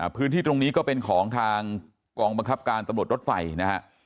พื้นที่ตรงนี้ก็เป็นของทางกองบังคับการตำรวจรถไฟนะฮะ